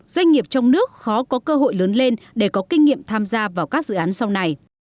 doanh nghiệp trong nước khó có cơ hội lớn lên để có kinh nghiệm tham gia vào các dự án sau này